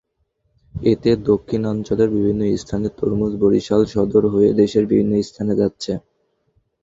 এতে দক্ষিণাঞ্চলের বিভিন্ন স্থানের তরমুজ বরিশাল সদর হয়ে দেশের বিভিন্ন স্থানে যাচ্ছে।